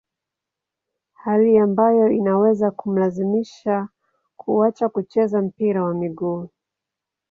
hali ambayo inaweza kumlazimisha kuacha kucheza mpira wa miguu